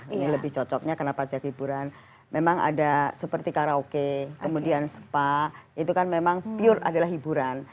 ini lebih cocoknya karena pajak hiburan memang ada seperti karaoke kemudian spa itu kan memang pure adalah hiburan